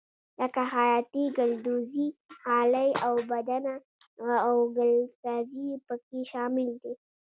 لکه خیاطي ګلدوزي غالۍ اوبدنه او ګلسازي پکې شامل دي.